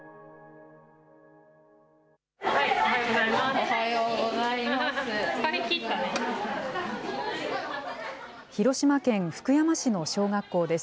おはようございます。